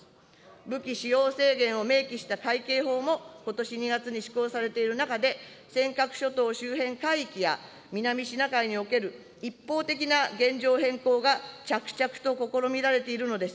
武器使用制限を明記した海警法もことし２月に施行されている中で、尖閣諸島周辺海域や南シナ海における一方的な現状変更が着々と試みられているのです。